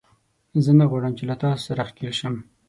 زه نه غواړم چې له تاسو سره ښکېل شم